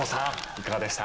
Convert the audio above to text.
いかがでした？